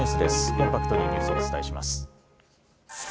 コンパクトにニュースをお伝えします。